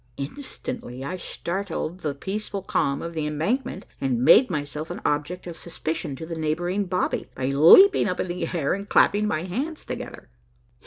Instantly I startled the peaceful calm of the embankment, and made myself an object of suspicion to the neighboring bobby, by leaping in the air and clapping my hands together.